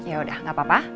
ya udah gak apa apa